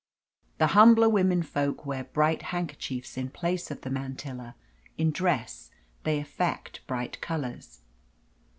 The humbler women folk wear bright handkerchiefs in place of the mantilla; in dress they affect bright colours.